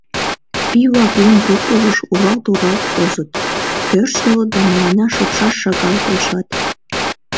Пий-влак лум пургыжыш уралт-уралт возыт, тӧрштылыт да мыланна шупшаш шагал полшат.